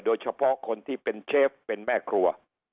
โดยเฉพาะคนที่เป็นเชฟเป็นแม่ครัว